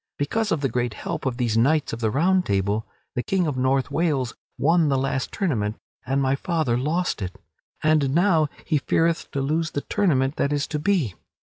Because of the great help of these knights of the Round Table, the King of North Wales won the last tournament and my father lost it, and now he feareth to lose the tournament that is to be.